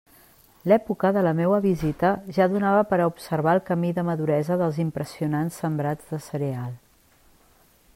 L'època de la meua visita ja donava per a observar el camí de maduresa dels impressionants sembrats de cereal.